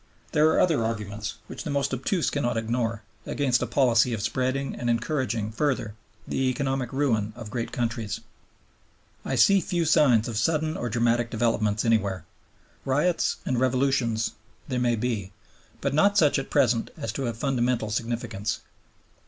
There are other arguments, which the most obtuse cannot ignore, against a policy of spreading and encouraging further the economic ruin of great countries. I see few signs of sudden or dramatic developments anywhere. Riots and revolutions there may be, but not such, at present, as to have fundamental significance.